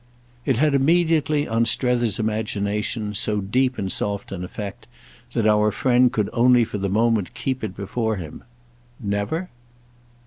It had immediately, on Strether's imagination, so deep and soft an effect that our friend could only for the moment keep it before him. "Never?"